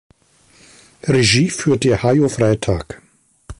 Regie führte Hayo Freitag.